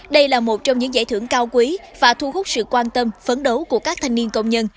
đây là một trong những giải thưởng cao quý và thu hút sự quan tâm phấn đấu của các thanh niên công nhân